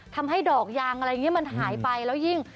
ทำให้ดอกยางอะไรอย่างนี้มันหายไปแล้วยิ่ง